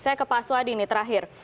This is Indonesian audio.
saya ke pak swadi nih terakhir